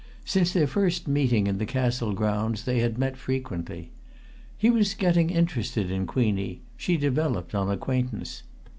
Since their first meeting in the Castle grounds they had met frequently. He was getting interested in Queenie: she developed on acquaintance.